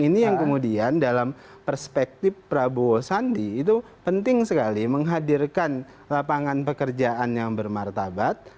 ini yang kemudian dalam perspektif prabowo sandi itu penting sekali menghadirkan lapangan pekerjaan yang bermartabat